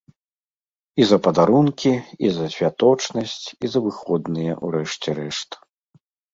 І за падарункі, і за святочнасць, і за выходныя, у рэшце рэшт.